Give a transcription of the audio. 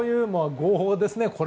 号砲ですね。